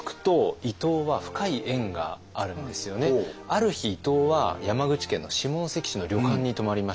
ある日伊藤は山口県の下関市の旅館に泊まりました。